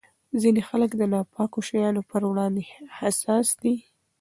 ځینې خلک د ناپاکو شیانو پر وړاندې حساس دي.